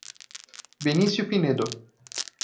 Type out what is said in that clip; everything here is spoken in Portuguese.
Benicio Pinedo